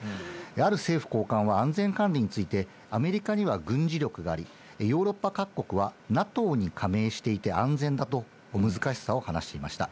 ある政府高官は、安全管理について、アメリカには軍事力があり、ヨーロッパ各国はＮＡＴＯに加盟していて安全だと、難しさを話していました。